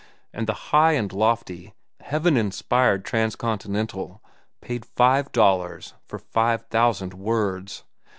And the high and lofty, heaven inspired Transcontinental paid five dollars for five thousand words!